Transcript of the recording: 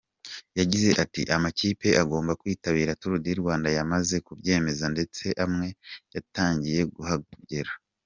Yagize ati “Amakipe agomba kwitabira Tour du Rwanda yamaze kubyemeza ndetse amwe yatangiye kuhagera.